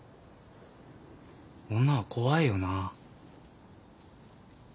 女は怖いよな。